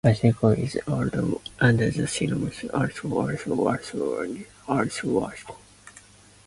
Assyrtiko is also known under the synonyms Arcytico, Assirtico, Assyrtico, Asurtico, and Asyrtiko.